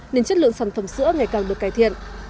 nên chất lượng sản phẩm sữa ngày càng được cải thiện